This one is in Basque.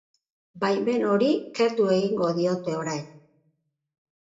Baimen hori kendu egingo diote orain.